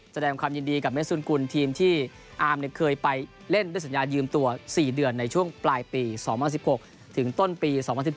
แสดงความยินดีกับเมซุนกุลทีมที่อาร์มเคยไปเล่นด้วยสัญญายืมตัว๔เดือนในช่วงปลายปี๒๐๑๖ถึงต้นปี๒๐๑๗